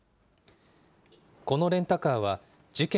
このレンタカーは事件